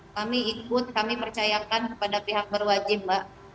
kami ikut kami percayakan kepada pihak berwajib mbak